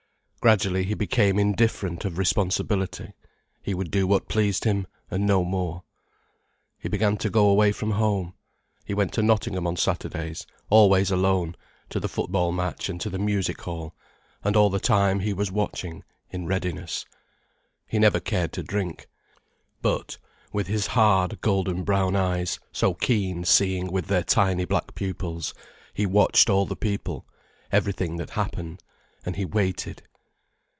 Gradually he became indifferent of responsibility. He would do what pleased him, and no more. He began to go away from home. He went to Nottingham on Saturdays, always alone, to the football match and to the music hall, and all the time he was watching, in readiness. He never cared to drink. But with his hard, golden brown eyes, so keen seeing with their tiny black pupils, he watched all the people, everything that happened, and he waited.